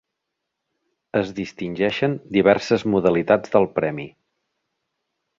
Es distingeixen diverses modalitats del premi.